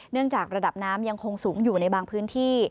จากระดับน้ำยังคงสูงอยู่ในบางพื้นที่